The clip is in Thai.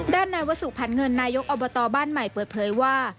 ด้านนายวสุผันเงินนายกอบตบ้านใหม่เปิดเผยว่า